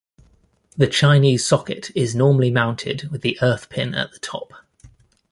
The Chinese socket is normally mounted with the earth pin at the top.